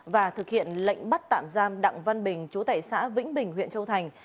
và thực hiện lệnh bắt tạm giam đặng văn bình chú tại xã vĩnh bình huyện châu thành